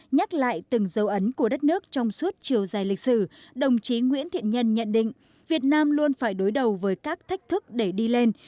nhắc lại từng dấu ấn của đất nước trong suốt chiều dài lịch sử đồng chí nguyễn thiện nhân nhận định việt nam luôn phải đối đầu với các thách thức để đi lên